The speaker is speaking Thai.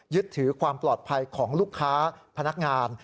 ยึดถือความปลอดภัยของลูกค้าพนักงาน